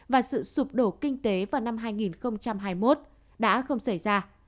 và sự sụp đổ kinh tế vào năm hai nghìn hai mươi một đã không xảy ra